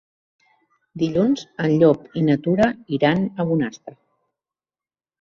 Dilluns en Llop i na Tura iran a Bonastre.